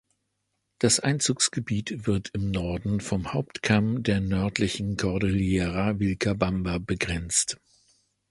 Das Einzugsgebiet wird im Norden vom Hauptkamm der nördlichen Cordillera Vilcabamba begrenzt.